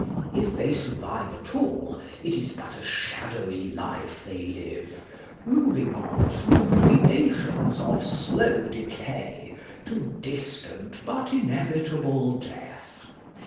If they survive at all, it is but a shadowy life they live, moving on through the gradations of slow decay to distant but inevitable death.